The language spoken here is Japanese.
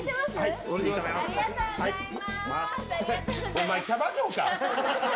お前、キャバ嬢か？